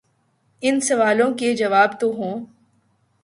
ان سوالوں کے جواب تو ہوں۔